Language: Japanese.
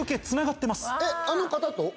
あの方と？